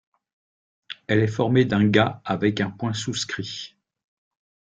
Elle est formée d’un ga avec un point souscrit.